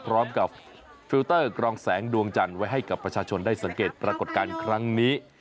ฟอร์เตอร์กรองแสงดวงจันทร์ไว้ให้กับประชาชนได้สังเกตปรากฏการณ์ครั้งนี้